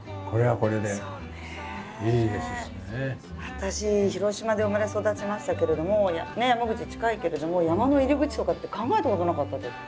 私広島で生まれ育ちましたけれども山口近いけれども山の入り口とかって考えたことなかったです。